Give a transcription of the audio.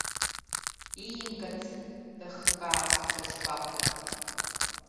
Иимгац дахыбаа дазгәаҟуан.